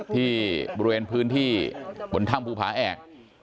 ที่บริเวณพื้นที่บนถ้ำภูผาแอก